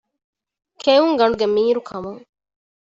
ކެއުންގަނޑުގެ މީރު ކަމުން